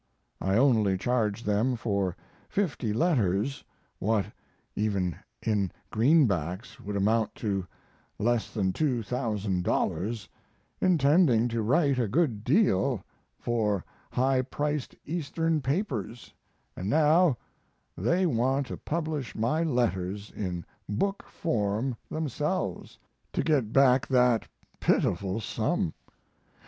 I only charged them for 50 letters what (even in) greenbacks would amount to less than two thousand dollars, intending to write a good deal for high priced Eastern papers, and now they want to publish my letters in book form themselves to get back that pitiful sum.